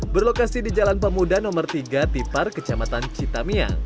berlokasi di jalan pemuda nomor tiga tipar kecamatan citamia